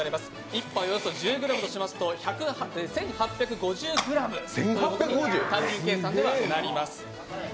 １杯およそ１０ｇとしますと、１８５０ｇ、単純計算ではなります。